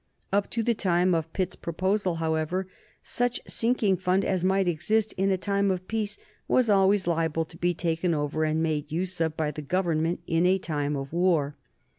Up to the time of Pitt's proposal, however, such sinking fund as might exist in a time of peace was always liable to be taken over and made use of by the Government in a time of war.